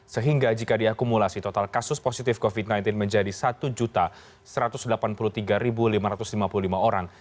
sehingga jika diakumulasi total kasus positif covid sembilan belas menjadi satu satu ratus delapan puluh tiga lima ratus lima puluh lima orang